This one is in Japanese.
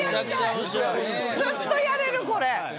ずっとやれるこれ。